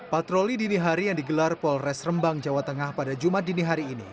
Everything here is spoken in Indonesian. patroli dini hari yang digelar polres rembang jawa tengah pada jumat dini hari ini